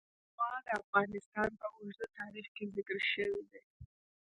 هوا د افغانستان په اوږده تاریخ کې ذکر شوی دی.